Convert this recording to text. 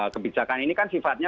kebijakan ini kan sifatnya